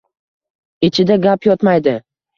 Ichida gap yotmaydi.